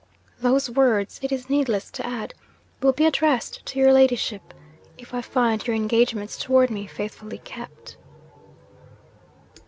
Those words, it is needless to add, will be addressed to your Ladyship, if I find your engagements towards me faithfully kept."